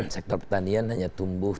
sektor petanian hanya terbatas